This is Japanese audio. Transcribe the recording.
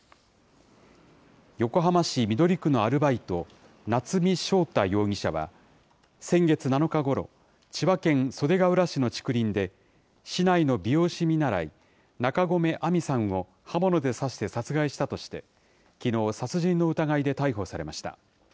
横浜市緑区のアルバイト、夏見翔太容疑者は、先月７日ごろ、千葉県袖ケ浦市の竹林で、市内の美容師見習い、中込愛美さんを刃物で刺して殺害したとして、きのう、殺人の疑いで逮捕されました。